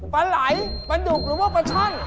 ปลาไหลปลาดุกหรือว่าปลาช่อน